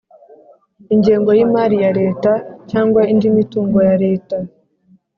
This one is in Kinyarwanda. ingengo y imari ya Leta cyangwa indi mitungo ya leta